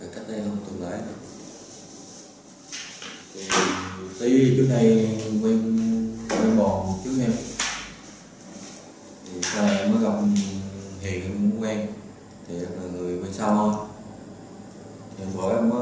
các phụ thuật đ